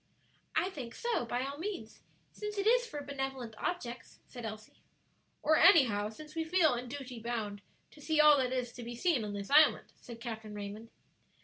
"I think so, by all means, since it is for benevolent objects," said Elsie. "Or anyhow, since we feel in duty bound to see all that is to be seen on this island," said Captain Raymond.